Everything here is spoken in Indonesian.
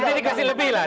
nanti dikasih lebih lah